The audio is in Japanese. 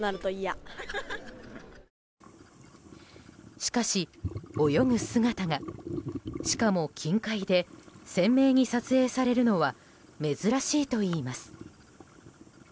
しかし、泳ぐ姿がしかも近海で鮮明に撮影されるのは珍しいといいます。